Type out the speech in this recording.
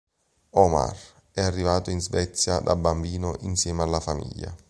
Omar è arrivato in Svezia da bambino insieme alla famiglia.